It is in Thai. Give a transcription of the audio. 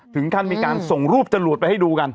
ถึงขั้นมีการส่งรูปจรวดไปให้ดูกัน